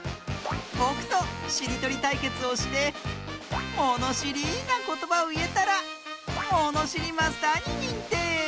ぼくとしりとりたいけつをしてものしりなことばをいえたらものしりマスターににんてい！